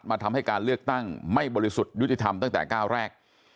ทำให้การเลือกตั้งไม่บริสุทธิ์ยุติธรรมตั้งแต่ก้าวแรก